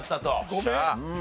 ごめん！